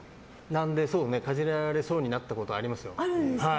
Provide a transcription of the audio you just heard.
かじられそうになったことあります。